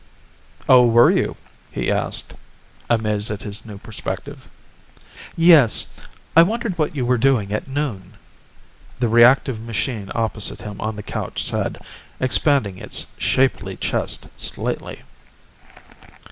"Oh, were you?" he asked, amazed at his new perspective. "Yes ... I wondered what you were doing at noon," the reactive machine opposite him on the couch said, expanding its shapely chest slightly.